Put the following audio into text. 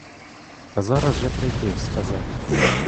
Та зараз же прийди сказать.